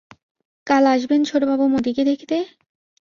কাল আসবেন ছোটবাবু মতিকে দেখতে?